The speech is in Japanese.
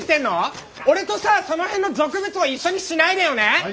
俺とさあその辺の俗物を一緒にしないでよね！